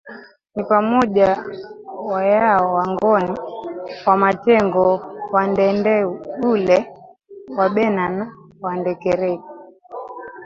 ni pamoja Wayao Wangoni Wamatengo Wandendeule Wabena na Wandengereko